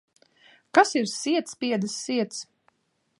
Kas ir sietspiedes siets?